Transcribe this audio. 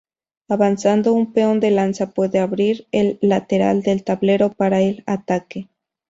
Avanzando un peón de lanza puede abrir el lateral del tablero para el ataque.